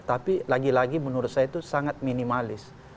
tapi lagi lagi menurut saya itu sangat minimalis